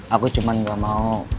aku cuman gak mau